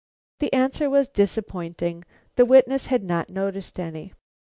The answer was disappointing. The witness had not noticed any.